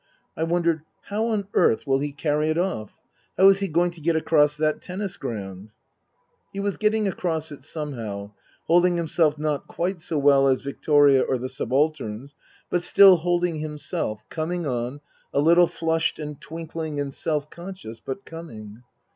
I wondered : How on earth will he carry it off ? How is he going to get across that tennis ground ? He was getting across it somehow, holding himself not quite so well as Victoria or the subalterns, but still holding himself, coming on, a little flushed and twinkling and self conscious, but coming.